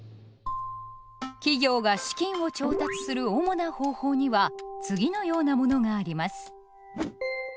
企業が資金を調達するおもな方法には次のようなものがあります。